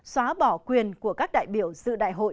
xóa bỏ quyền của các đại biểu dự đại hội